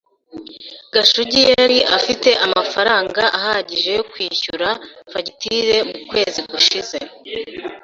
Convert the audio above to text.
Gashugi yari afite amafaranga ahagije yo kwishyura fagitire mu kwezi gushize.